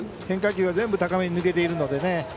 変化球が全部高めに抜けているので。